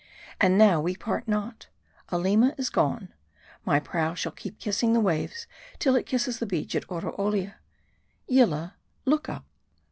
And now we part not. Aleema is gone. My prow shall keep kissing the waves, till it kisses the beach at Oroolia. Yillah, look up."